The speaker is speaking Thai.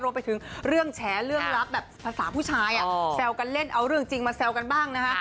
ไปถึงเรื่องแฉเรื่องลับแบบภาษาผู้ชายแซวกันเล่นเอาเรื่องจริงมาแซวกันบ้างนะคะ